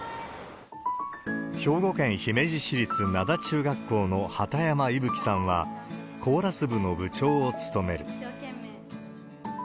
兵庫県姫路市立灘中学校の畑山伊吹さんは、コーラス部の部長を務める。